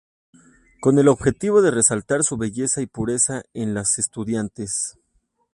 Con el objetivo de resaltar su belleza y pureza en las estudiantes.